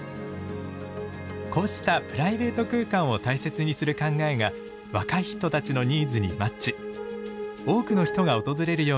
こうしたプライベート空間を大切にする考えが若い人たちのニーズにマッチ。